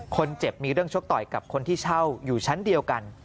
คนเจ็บมีเรื่องชกต่อยกับคนที่เช่าอยู่ชั้นเดียวกัน